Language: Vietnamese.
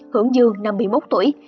hưởng dương năm mươi một tuổi